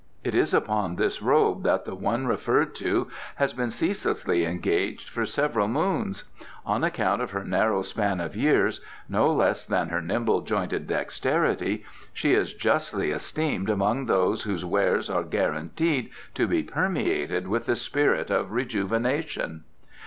It is upon this robe that the one referred to has been ceaselessly engaged for several moons. On account of her narrow span of years, no less than her nimble jointed dexterity, she is justly esteemed among those whose wares are guaranteed to be permeated with the spirit of rejuvenation."